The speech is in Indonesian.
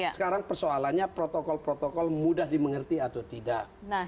sekarang persoalannya protokol protokol mudah dimengerti atau tidak